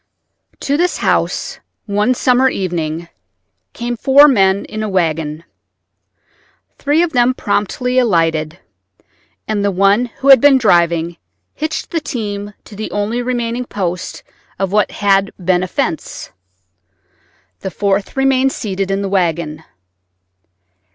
To this house, one summer evening, came four men in a wagon. Three of them promptly alighted, and the one who had been driving hitched the team to the only remaining post of what had been a fence. The fourth remained seated in the wagon.